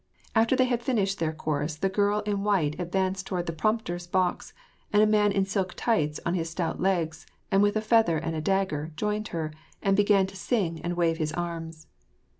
After they had finished their chorus the girl in white advanced toward the prompter's box, and a man in silk tights on his stout le^s, and with a feather and a ds^ger, joined her, and began to sing and wave his arms.